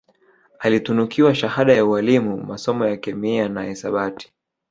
Alitunukiwa shahada ya ualimu masomo ya kemiana hisabati